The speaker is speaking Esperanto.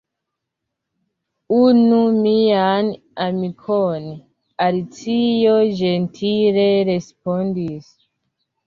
"Unu mian amikon," Alicio ĝentile respondis.